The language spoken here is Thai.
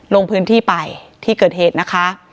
ลงพื้นที่ไปที่เกิดเหตุนะคะ